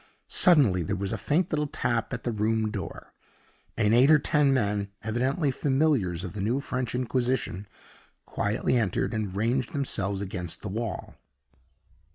Suddenly there was a faint little tap at the room door, and eight or ten men evidently familiars of the new French Inquisition quietly entered, and ranged themselves against the wall.